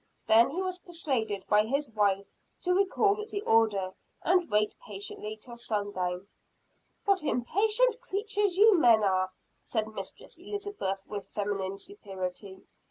Then he was persuaded by his wife to recall the order, and wait patiently till sundown. "What impatient creatures you men are!" said Mistress Elizabeth with feminine superiority.